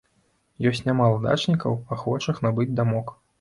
Ёсць нямала дачнікаў, ахвочых набыць дамок.